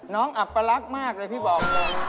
น้องอับประลักษณ์มากเลยพี่บอล